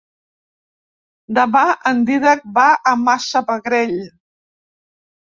Demà en Dídac va a Massamagrell.